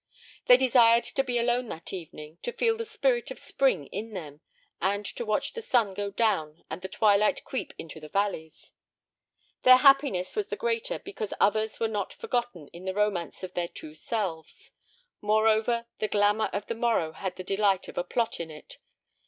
They desired to be alone that evening, to feel the spirit of spring in them, and to watch the sun go down and the twilight creep into the valleys. Their happiness was the greater because others were not forgotten in the romance of their two selves. Moreover, the glamour of the morrow had the delight of a plot in it.